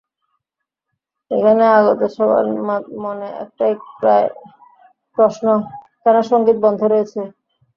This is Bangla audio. এখানে আগত সবার মনে একটাই প্রশ্ন, কেন সংগীত বন্ধ রয়েছে?